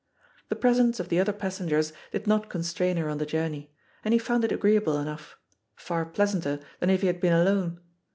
The presence of the other passengers did not constrain her on the journey, and he foimd it agreeable enough — ^f ar pleasanter than if he had been alone.